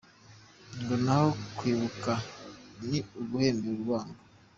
Ngo naho kwibuka ni uguhembera urwango !